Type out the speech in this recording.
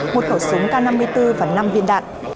một khẩu súng k năm mươi bốn và năm viên đạn